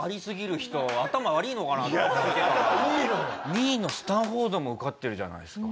２位のスタンフォードも受かってるじゃないですか。